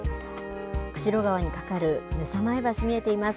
釧路川にかかる幣舞橋見えています。